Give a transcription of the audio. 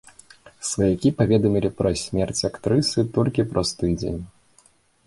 Сваякі паведамілі пра смерць актрысы толькі праз тыдзень.